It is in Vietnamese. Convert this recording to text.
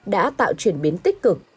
đã tạo chuyển biến tích cực